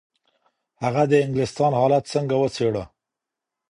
هغه د انګلستان حالت څنګه وڅېړه؟